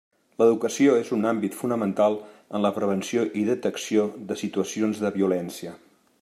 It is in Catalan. L'educació és un àmbit fonamental en la prevenció i detecció de situacions de violència.